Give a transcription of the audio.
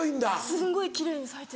すんごい奇麗に咲いて。